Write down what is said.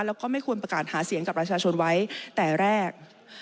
แล้วก็ไม่ควรประกาศหาเสียงกับประชาชนไว้แต่แรก